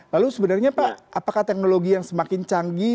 lalu sebenarnya pak apakah teknologi yang semakin canggih